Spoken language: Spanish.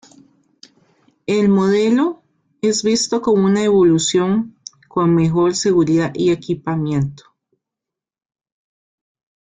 El modelo, es visto como una evolución, con mejor seguridad y equipamiento.